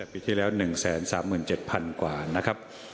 ปีที่แล้ว๑๓๗๐๐กว่านะครับ